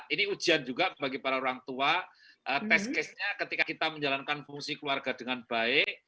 ini ujian juga bagi para orang tua test case nya ketika kita menjalankan fungsi keluarga dengan baik